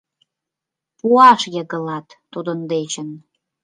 Пуаш йыгылат тудын дечын.